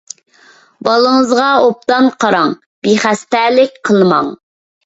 بالىڭىزغا ئوبدان قاراڭ، بىخەستەلىك قىلماڭ.